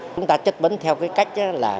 chúng ta chất phấn theo cái cách là